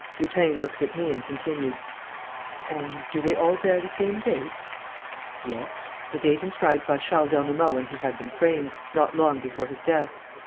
Lupin looked at me and continued: "And do they all bear the same date?" "Yes, the date inscribed by Charles d'Ernemont when he had them framed, not long before his death....